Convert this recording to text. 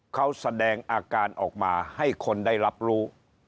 เขาแสดงอาการออกมาให้คนได้รับรู้